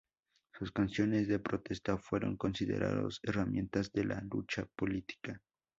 Sus canciones de protesta fueron considerados herramientas de la lucha política.